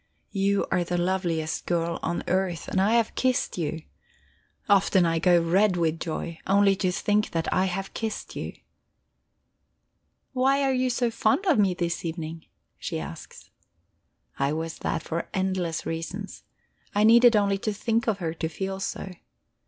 You are the loveliest girl on earth, and I have kissed you. Often I go red with joy, only to think that I have kissed you." "Why are you so fond of me this evening?" she asks. I was that for endless reasons; I needed only to think of her to feel so.